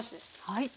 はい。